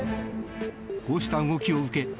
こうした動きを受け